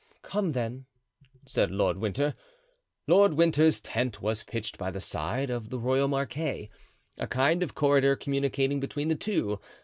"Come, then," said Lord Winter. Lord Winter's tent was pitched by the side of the royal marquee, a kind of corridor communicating between the two.